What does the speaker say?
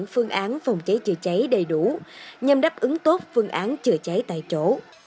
phòng cháy chữa cháy đầy đủ nhằm đáp ứng tốt phương án chữa cháy tại chỗ